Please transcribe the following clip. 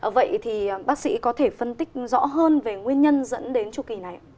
vậy thì bác sĩ có thể phân tích rõ hơn về nguyên nhân dẫn đến tru kỳ này ạ